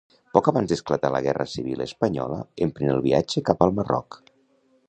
Poc abans d'esclatar la Guerra Civil Espanyola, emprèn el viatge cap al Marroc.